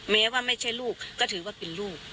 แม้ว่าไม่ใช่ลูกก็ถือว่าเป็นลูก